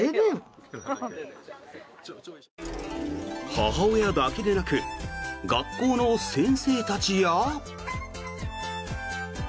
母親だけでなく学校の先生たちや。